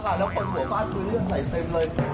แล้วข้างบนหัวบ้านก็ยังใส่เสมเลย